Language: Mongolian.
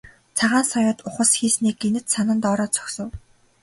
Цагаан соёот ухасхийснээ гэнэт санан доороо зогсов.